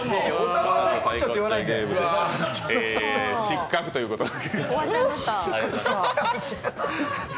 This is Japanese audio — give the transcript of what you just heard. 失格ということで。